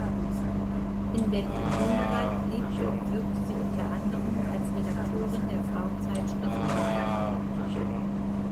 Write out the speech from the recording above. In Berlin-Grunewald lebte und wirkte sie unter anderem als Redakteurin der Frauenzeitschrift "Maja".